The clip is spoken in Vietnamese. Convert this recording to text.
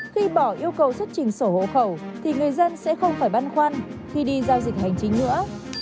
khi bỏ yêu cầu xuất trình sổ hộ khẩu thì người dân sẽ không phải băn khoăn khi đi giao dịch hành chính nữa